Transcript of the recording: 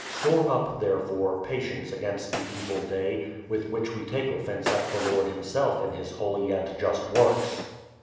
Store up, therefore, patience against the evil day, with which we take offence at the Lord Himself in His holy and just works.